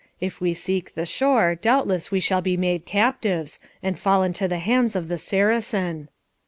If we seek the shore, doubtless we shall be made captives, and fall into the hands of the Saracen."